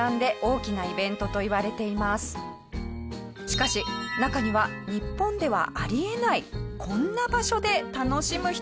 しかし中には日本ではあり得ないこんな場所で楽しむ人も。